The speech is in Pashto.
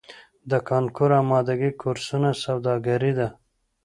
د کانکور امادګۍ کورسونه سوداګري ده؟